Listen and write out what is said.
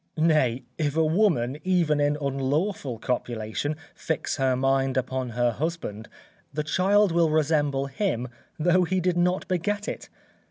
Nay, if a woman, even in unlawful copulation, fix her mind upon her husband, the child will resemble him though he did not beget it.